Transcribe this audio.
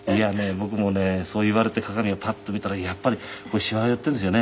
僕もねそう言われて鏡をパッと見たらやっぱりしわ寄っているんですよね」